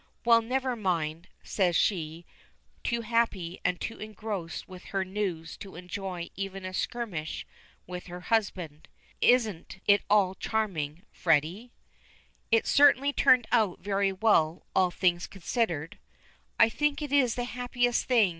"Well, never mind," says she, too happy and too engrossed with her news to enjoy even a skirmish with her husband. "Isn't it all charming, Freddy?" "It has certainly turned out very well, all things considered." "I think it is the happiest thing.